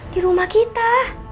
di rumah kita